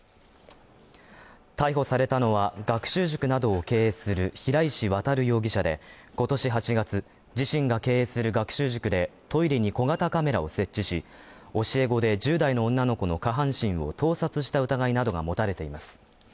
逮捕されたのは、学習塾などを経営する平石渉容疑者で、今年８月、自身が経営する学習塾でトイレに小型カメラを設置し、教え子で１０代の女の子の下半身を盗撮した疑いなどが持たれています。